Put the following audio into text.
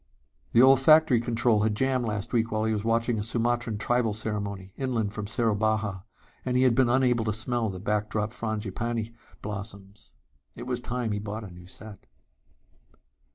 The olfactory control had jammed last week while he was watching a Sumatran tribal ceremony, inland from Soerabaja, and he had been unable to smell the backdrop frangipani blossoms. It was time he bought a new set....